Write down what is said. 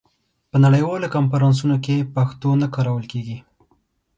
په نړیوالو کنفرانسونو کې پښتو نه کارول کېږي.